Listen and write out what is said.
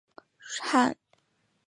汉语有丰富的谦辞和敬辞。